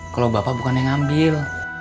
kalau bapak bukan yang ngambil